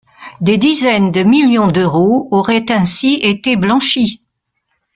Des dizaines de millions d'euros auraient ainsi été blanchis.